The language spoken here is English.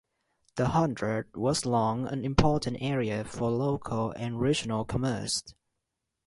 The hundred was long an important area for local and regional commerce.